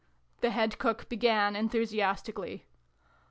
the Head Cook began enthusiastically.